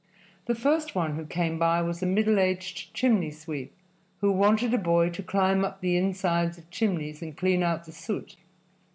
The first one who came by was a middle aged chimney sweep, who wanted a boy to climb up the insides of chimneys and clean out the soot.